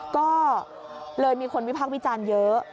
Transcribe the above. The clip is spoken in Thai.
ก็เลยมีคนวิพักษ์วิจารณ์เยอะ